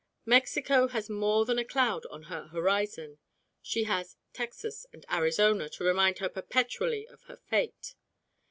Mexico has more than a cloud on her horizon. She has Texas and Arizona to remind her perpetually of her fate.